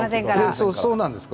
そうなんですか？